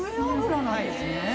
米油なんですね。